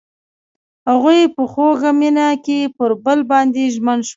هغوی په خوږ مینه کې پر بل باندې ژمن شول.